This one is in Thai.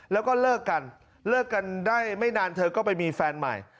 แล้วก็เลิกกันเลิกกันได้ไม่นานเธอก็ไปมีแฟนใหม่